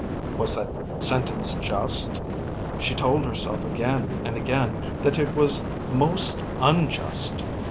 Was that sentence just? She told herself again and again that it was most unjust.